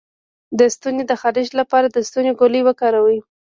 د ستوني د خارش لپاره د ستوني ګولۍ وکاروئ